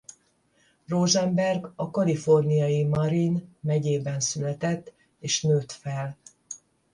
Rosenberg a kaliforniai Marin megyében született és nőtt fel.